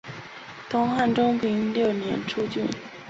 东汉中平六年诸郡。